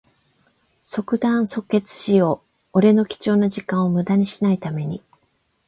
即断即決しよう。俺の貴重な時間をむだにしない為に。